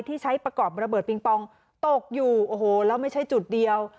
ที่ใช้ประกอบระเบิดปิงปองตกอยู่โอ้โหแล้วไม่ใช่จุดเดียว